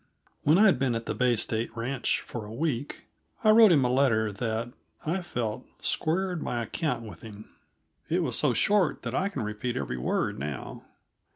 When I'd been at the Bay State Ranch for a week, I wrote him a letter that, I felt, squared my account with him. It was so short that I can repeat every word now.